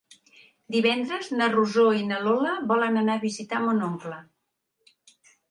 Divendres na Rosó i na Lola volen anar a visitar mon oncle.